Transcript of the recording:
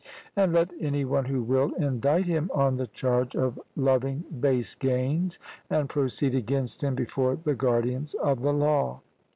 And let any one who will, indict him on the charge of loving base gains, and proceed against him before the guardians of the law.